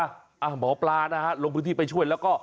หมอปลานะฮะลงพื้นที่ไปช่วยแล้วก็